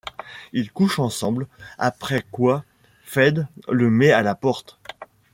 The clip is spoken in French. Ils couchent ensemble, après quoi Faith le met à la porte.